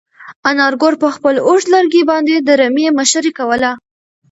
انارګل په خپل اوږد لرګي باندې د رمې مشري کوله.